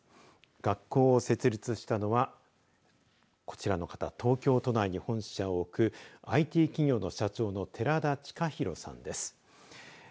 学校を設立したのはこちらの方、東京都内に本社を置くＩＴ企業の社長の寺田親弘さんです。